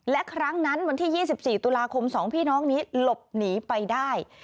และครั้งนั้นวันที่๒๔ตุลาคม๒พี่น้องนี้หลบหนีไปได้